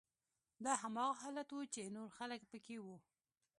دا هماغه حالت و چې نور خلک پکې وو